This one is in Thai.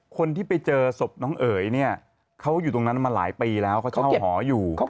คนที่ไปเจอศพน้องเอ๋ยเนี่ยเขาอยู่ตรงนั้นมาหลายปีแล้วเขาเช่าหออยู่